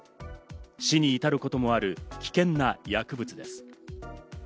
死に至ることもある危険な薬物です。